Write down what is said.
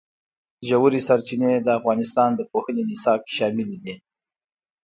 ژورې سرچینې د افغانستان د پوهنې نصاب کې شامل دي.